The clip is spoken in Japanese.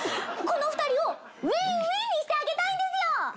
この２人をウィンウィンにしてあげたいんですよ！